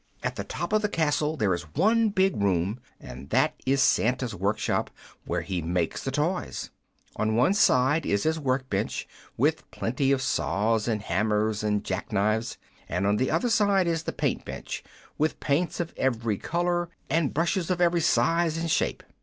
At the top of the castle there is one big room, and that is Santa's work shop, where he makes the toys. On one side is his work bench, with plenty of saws and hammers and jack knives; and on another side is the paint bench, with paints of every color and brushes of every size and shape.